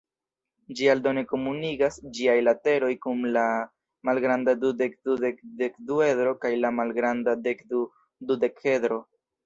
Ĝi aldone komunigas ĝiaj lateroj kun la malgranda dudek-dudek-dekduedro kaj la malgranda dekdu-dudekedro.